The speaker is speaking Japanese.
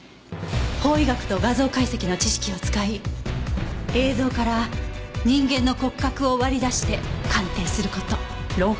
法医学と画像解析の知識を使い映像から人間の骨格を割り出して鑑定する事。